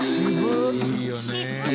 いいよね。